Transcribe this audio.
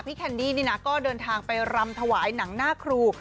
แคนดี้นี่นะก็เดินทางไปรำถวายหนังหน้าครู